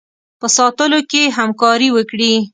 په ساتلو کې همکاري وکړي.